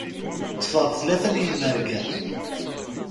Ṭṭfeɣ-d tlata n yimerga.